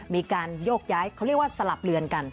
มีการโยกย้ายเขาเรียกว่าสลับเลือนกัน